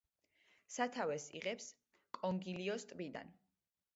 სათავეს იღებს კონგილიოს ტბიდან.